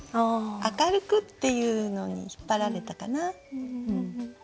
「明るく」っていうのに引っ張られたかな。